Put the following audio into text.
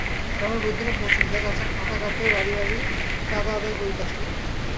গ্রামের বৈদ্যনাথ মজুমদার চাঁদার খাতা গাতে বাড়ি বাড়ি চাঁদা আদায় করিতে আসিলেন।